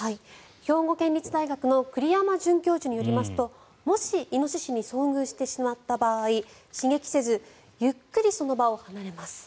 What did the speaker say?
兵庫県立大学の栗山准教授によりますともしイノシシに遭遇してしまった場合刺激せずゆっくり、その場を離れます。